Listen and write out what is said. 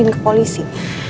dia udah kepolisi